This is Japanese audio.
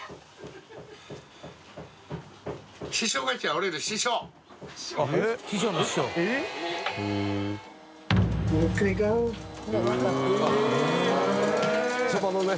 おそばのね